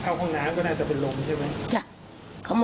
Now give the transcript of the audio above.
ข้าวข้างหน้าก็น่าจะเป็นลมใช่ไหม